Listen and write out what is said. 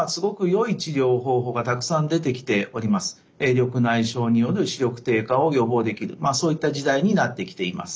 緑内障による視力低下を予防できるそういった時代になってきています。